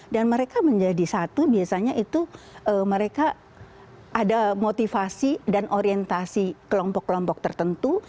dan mereka menjadi satu biasanya itu mereka ada motivasi dan orientasi kelompok kelompok tertentu